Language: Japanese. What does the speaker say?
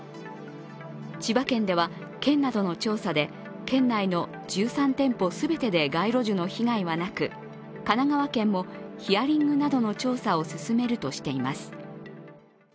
千葉県では県などの調査で県内の１３店舗全てで街路樹の被害はなく、神奈川県もヒアリングなどの調査を進めるとしています。